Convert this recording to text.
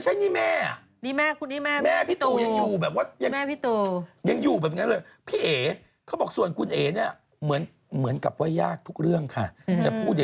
หนูไม่เหมือนพ่อเลย